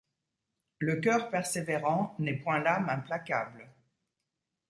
Le coeur persévérant n'est point l'âme implacable.